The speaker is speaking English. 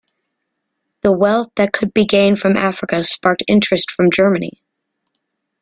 The wealth that could be gained from Africa sparked interest from Germany.